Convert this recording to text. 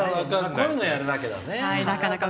こういうのやるんだね。